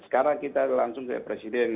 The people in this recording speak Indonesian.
sekarang kita langsung ke presiden